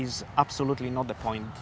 itu bukan hal yang penting